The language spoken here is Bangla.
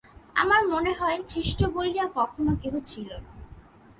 আমার মনে হয়, খ্রীষ্ট বলিয়া কখনও কেহ ছিল না।